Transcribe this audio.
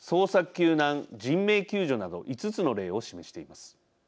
救難・人命救助など５つの例を示しています。